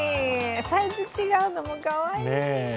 サイズ、違うのもかわいい！